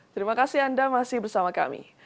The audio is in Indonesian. terima kasih anda masih bersama kami